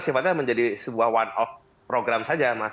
sifatnya menjadi sebuah one of program saja mas